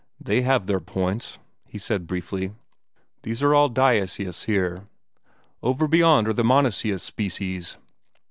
"They have their points," he said briefly. "These are all dioecious here. Over beyond are monoecious species.